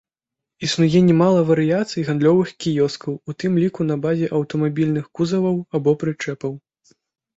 Існуе нямала варыяцый гандлёвых кіёскаў, у тым ліку на базе аўтамабільных кузаваў або прычэпаў.